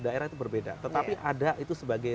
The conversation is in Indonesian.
daerah itu berbeda tetapi ada itu sebagai